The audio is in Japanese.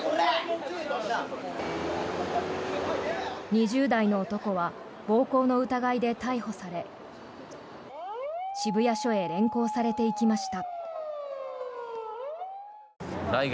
２０代の男は暴行の疑いで逮捕され渋谷署へ連行されていきました。